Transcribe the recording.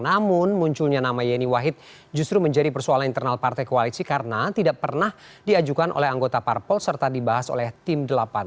namun munculnya nama yeni wahid justru menjadi persoalan internal partai koalisi karena tidak pernah diajukan oleh anggota parpol serta dibahas oleh tim delapan